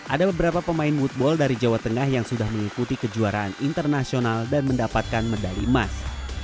ada beberapa pemain woodball dari jawa tengah yang sudah mengikuti kejuaraan internasional dan mendapatkan medali emas